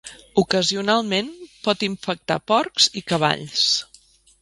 Ocasionalment, pot infectar porcs i cavalls.